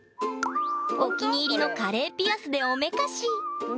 お気に入りのカレーピアスでおめかしほんと？